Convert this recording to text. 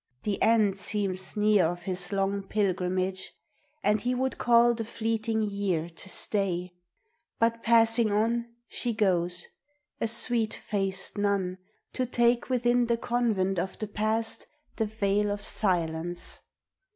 The end seems near of his long pilgrimage, And he would call the fleeting year to stay. But passing on, she goes a sweet faced nun To take within the Convent of the Past The veil of silence.